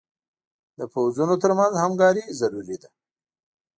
د پوځونو تر منځ همکاري ضروري ده.